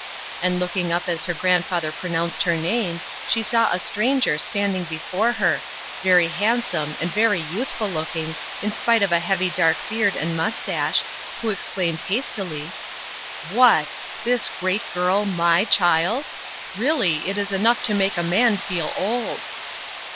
and looking up as her grandfather pronounced her name, she saw a stranger standing before her very handsome, and very youthful looking, in spite of a heavy dark beard and mustache who exclaimed hastily, "What! this great girl my child? really it is enough to make a man feel old."